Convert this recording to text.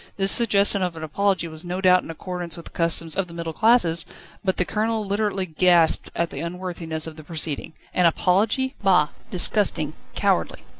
This suggestion of an apology was no doubt in accordance with the customs of the middle classes, but the Colonel literally gasped at the unworthiness of the proceeding. An apology? Bah! Disgusting! cowardly!